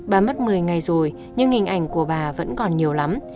bà mất một mươi ngày rồi nhưng hình ảnh của bà vẫn còn nhiều lắm